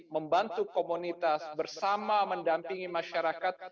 membantu komunitas bersama mendampingi masyarakat